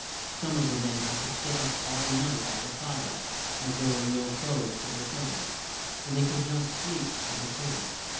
Some of the men had to sit up all night by the fires, as there were no clothes for their beds, and they could not sleep for the cold.